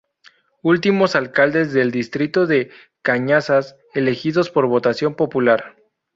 Últimos alcaldes del distrito de Cañazas elegidos por votación popular.